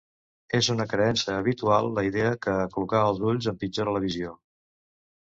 És una creença habitual la idea que aclucar els ulls empitjora la visió.